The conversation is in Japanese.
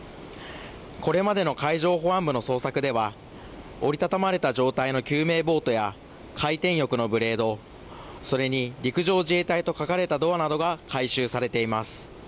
これまでの海上保安部の捜索では折り畳まれた状態の救命ボートや回転翼のブレードそれに陸上自衛隊と書かれたドアなどが回収されています。